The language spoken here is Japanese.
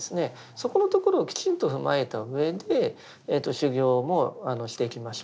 そこのところをきちんと踏まえたうえで修行もしていきましょうと。